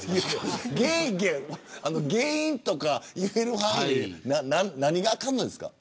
原因とか言える範囲で何があかんのですか。